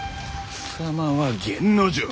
貴様は源之丞。